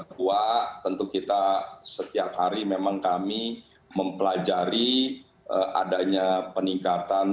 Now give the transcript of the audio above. kedua tentu kita setiap hari memang kami mempelajari adanya peningkatan